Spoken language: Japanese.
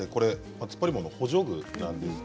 つっぱり棒の補助具です。